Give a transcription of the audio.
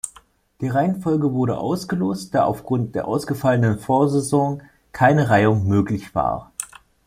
Die Reihenfolge wurde ausgelost, da aufgrund der ausgefallenen Vorsaison keine Reihung möglich war.